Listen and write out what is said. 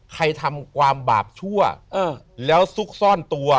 ทำความบาปชั่วแล้วซุกซ่อนตัว